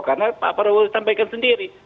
karena pak prabowo juga menampilkan sesuatu sendiri